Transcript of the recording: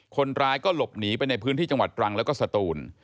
คนร้ายก็หลบหนีไปในพื้นที่จังหวัดตรังแล้วก็สตูน